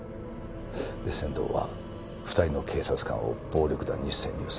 で千堂は２人の警察官を暴力団に潜入させた。